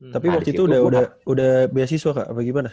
tapi waktu itu udah beasiswa kak apa gimana